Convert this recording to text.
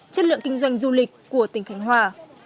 chất lượng kinh doanh du lịch của tỉnh khánh hòa